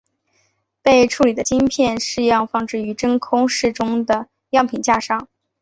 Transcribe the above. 被处理的晶片试样放置于真空室中的样品架上。